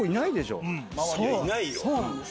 そうなんです。